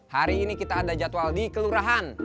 hari ini kita ada jadwal di kelurahan